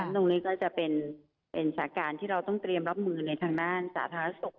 ตรงนี้ก็จะเป็นสาการที่เราต้องเตรียมรับมือในทางด้านสาธารณสุข